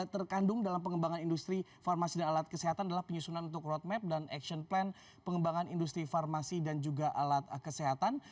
terkandung dalam pengembangan industri farmasi dan alat kesehatan adalah penyusunan untuk roadmap dan action plan pengembangan industri farmasi dan juga alat kesehatan